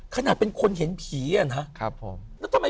ขนาดเป็นคนเห็นผีเนี่ยนะครับผม